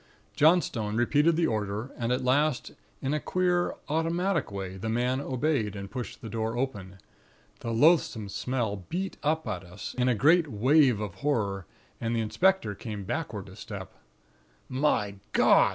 Johnstone repeated the order, and at last, in a queer automatic way, the man obeyed, and pushed the door open. The loathsome smell beat up at us, in a great wave of horror, and the inspector came backward a step. "'My God!'